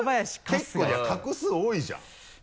結構画数多いじゃん。